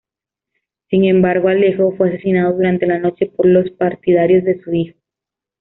Sin embargo Alejo fue asesinado durante la noche por los partidarios de su hijo.